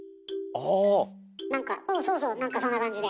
何かそうそう何かそんな感じで。